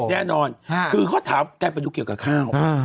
แน่นอนคือเขาถามแกไปดูเกี่ยวกับข้าว